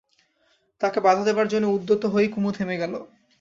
তাকে বাধা দেবার জন্যে উদ্যত হয়েই কুমু থেমে গেল।